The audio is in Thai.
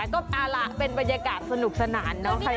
ทำเป็นบรรยากาศสนุกสนานเนาะ